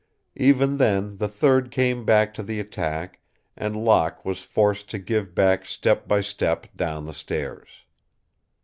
Even then the third came back to the attack and Locke was forced to give back step by step down the stairs.